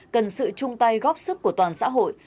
cần sự chung tay góp sức của toàn xã hội